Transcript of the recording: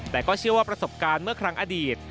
แต่ก็เชื่อว่าประสบการณ์เมื่อครั้งอดีต